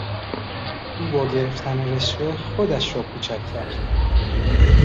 او با گرفتن رشوه خودش را کوچک کرد.